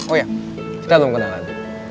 oh iya kita belum kenalan